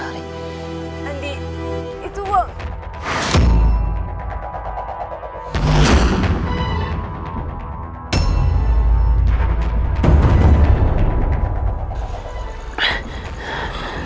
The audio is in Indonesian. andi itu uang